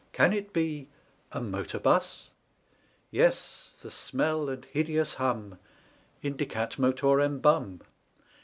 Can it be a Motor Bus? Yes, the smell and hideous hum Indicat Motorem Bum!